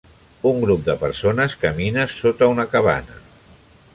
Un grup de persones camina sota una cabana.